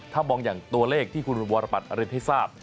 ถ้ามองอย่างตัวเลขที่คุณวรบัตรอรินให้ทราบ